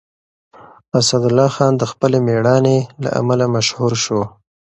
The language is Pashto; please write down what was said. اسدالله خان د خپل مېړانې له امله مشهور شو.